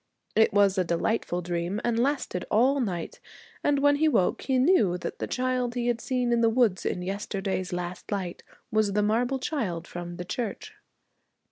It was a delightful dream and lasted all night, and when he woke he knew that the child he had seen in the wood in yesterday's last light was the marble child from the church.